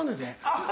あっ。